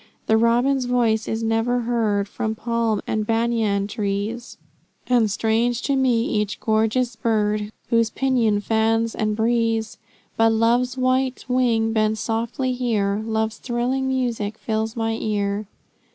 The robin's voice is never heard From palm and banyan trees; And strange to me each gorgeous bird, Whose pinion fans the breeze; But love's white wing bends softly here, Love's thrilling music fills my ear.